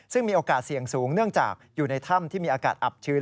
ซึ่งมีโอกาสเสี่ยงสูงเนื่องจากอยู่ในถ้ำที่มีอากาศอับชื้น